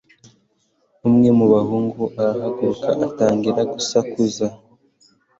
Umwe mu bahungu arahaguruka atangira gusakuza.